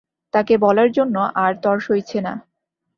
তাকে বলার জন্য আর তর সইছে না!